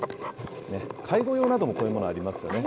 介護用なども、こういうものありますよね。